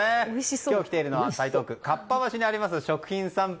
今日来ているのは台東区合羽橋にあります